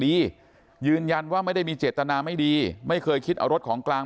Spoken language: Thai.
ยืนยันว่าไม่ได้มีเจตนาไม่ดีไม่เคยคิดเอารถของกลาง